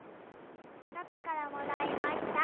パパからもらいました。